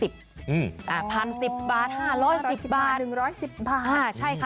พันสิบบาทหรือ๕๑๐บาท๕๐๑บาทใช่ค่ะ